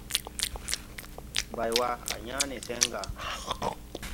Baywa, a yãã ne seŋ ga.